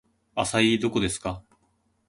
アサイーどこですか